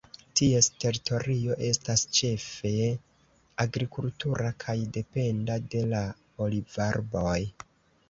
Ties teritorio estas ĉefe agrikultura kaj dependa de la olivarboj.